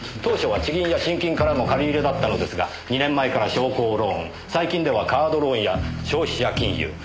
当初は地銀や信金からの借り入れだったのですが２年前から商工ローン最近ではカードローンや消費者金融。